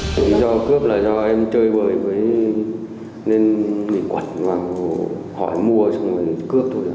lý do cướp là do em chơi bời với nên mình quẩn và hỏi mua xong rồi cướp thôi